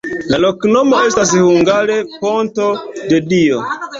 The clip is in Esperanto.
La loknomo estas hungare: ponto-de-Dio.